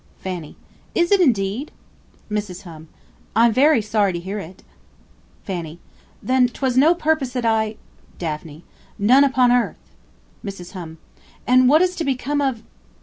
Fanny. Is it indeed! Mrs. Hum. I'm very sorry to hear it. Fanny. Then 'twas to no purpose that I Daphne. None upon earth. Mrs. Hum. And what is to become of